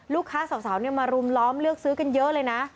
สาวมารุมล้อมเลือกซื้อกันเยอะเลยนะ